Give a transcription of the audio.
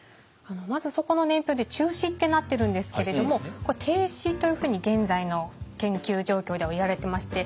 まずそこの年表で中止ってなってるんですけれどもこれ停止というふうに現在の研究状況ではいわれてまして。